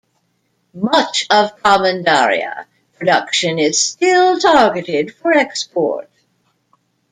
Much of Commandaria production is still targeted for export.